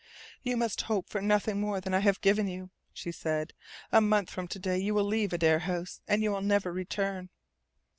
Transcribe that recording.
"You must hope for nothing more than I have given you," she said. "A month from to day you will leave Adare House, and will never return."